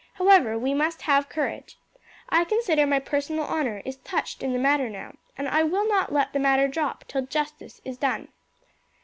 However, we must have courage. I consider my personal honour is touched in the matter now, and I will not let the matter drop till justice is done."